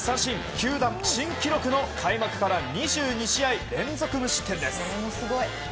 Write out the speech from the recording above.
球団新記録の開幕から２２試合連続無失点です。